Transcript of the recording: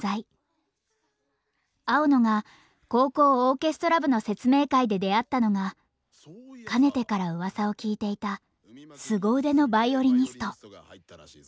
青野が高校オーケストラ部の説明会で出会ったのがかねてからうわさを聞いていたすご腕のヴァイオリニスト。